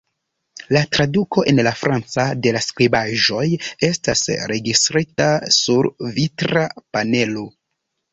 La traduko en la franca de la skribaĵoj estas registrita sur vitra panelo.